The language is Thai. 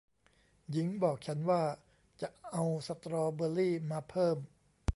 หญิงบอกฉันว่าจะเอาสตรอว์เบอร์รี่มาเพิ่ม